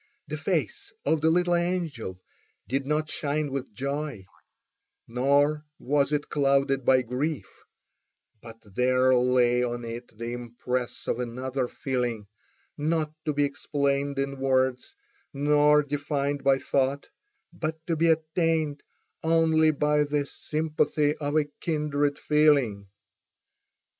The face of the little angel did not shine with joy, nor was it clouded by grief; but there lay on it the impress of another feeling, not to be explained in words, nor defined by thought, but to be attained only by the sympathy of a kindred feeling.